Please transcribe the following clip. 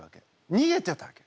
にげてたわけ。